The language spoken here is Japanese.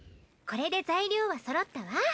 これで材料はそろったわ。